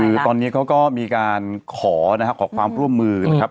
คือตอนนี้เขาก็มีการขอนะครับขอความร่วมมือนะครับ